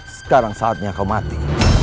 sekarang saatnya kau mati